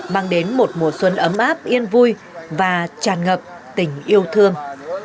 mang đến một mùa xuân ấm áp yên vui và tràn ngập tình yêu thương